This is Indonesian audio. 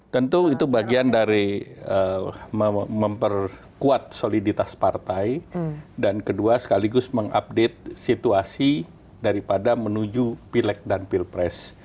tentu itu bagian dari memperkuat soliditas partai dan kedua sekaligus mengupdate situasi daripada menuju pilek dan pilpres